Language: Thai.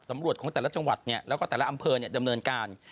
ตำรวจของแต่ละจังหวัดแล้วก็แต่ละอำเภอดำเนินการ